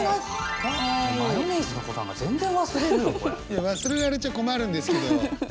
いや忘れられちゃ困るんですけど。